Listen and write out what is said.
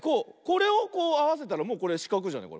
これをこうあわせたらもうこれしかくじゃない？